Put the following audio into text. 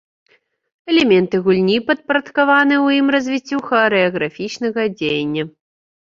Элементы гульні падпарадкаваны ў ім развіццю харэаграфічнага дзеяння.